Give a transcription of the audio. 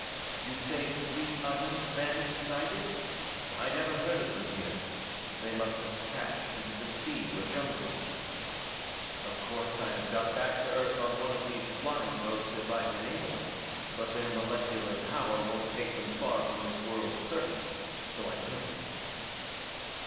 You say three others vanished as I did? I never heard of them here; they must have crashed into the sea or jungles. Of course, I'd have got back to Earth on one of these flying boats if I'd been able, but their molecular power won't take them far from this world's surface, so I couldn't.